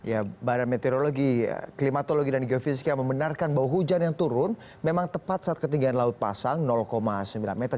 ya badan meteorologi klimatologi dan geofisika membenarkan bahwa hujan yang turun memang tepat saat ketinggian laut pasang sembilan meter